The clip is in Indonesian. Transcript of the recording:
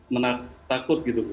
menakut gitu bu